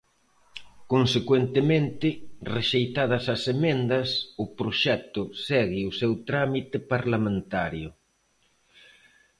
Consecuentemente, rexeitadas as emendas, o proxecto segue o seu trámite parlamentario.